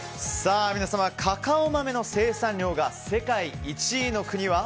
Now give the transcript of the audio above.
カカオ豆の生産量が世界１位の国は？